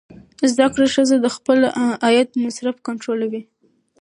زده کړه ښځه د خپل عاید مصرف کنټرولوي.